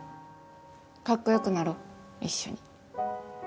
かっこよくなろ一緒に。